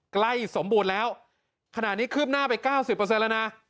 ใกล้สมบูรณ์แล้วขณะนี้คืบหน้าไปเก้าสิบเปอร์เซ็นต์แล้วนะ